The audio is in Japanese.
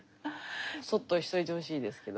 そっとしておいてほしいですけど。